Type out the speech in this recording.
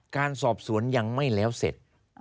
การสอบสวนยังไม่แล้วเสร็จ